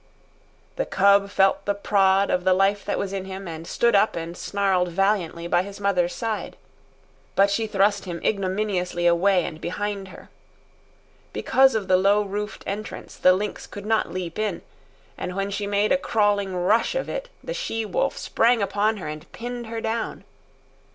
The cub felt the prod of the life that was in him, and stood up and snarled valiantly by his mother's side. But she thrust him ignominiously away and behind her. Because of the low roofed entrance the lynx could not leap in, and when she made a crawling rush of it the she wolf sprang upon her and pinned her down.